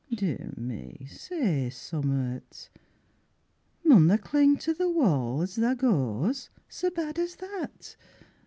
Dear o' me, say summat. Maun tha cling to the wa' as tha goes, So bad as that?